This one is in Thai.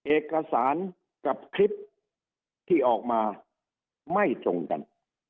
เอกสารกับคลิปที่ออกมาไม่ตรงกัน